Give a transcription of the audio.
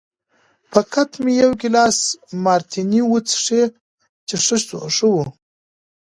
فقط مې یو ګیلاس مارتیني وڅښی چې ښه و.